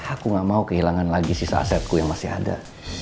aku gak mau kehilangan lagi sisa asetku yang masih ada